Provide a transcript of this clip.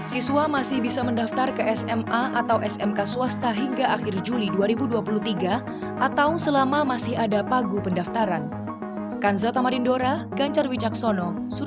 siswa masih bisa mendaftar ke sma atau smk swasta hingga akhir juli dua ribu dua puluh tiga atau selama masih ada pagu pendaftaran